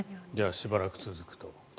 しばらく続くと。